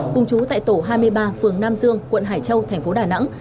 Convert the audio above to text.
cùng chú tại tổ hai mươi ba phường nam dương quận hải châu thành phố đà nẵng